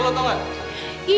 lo tau gak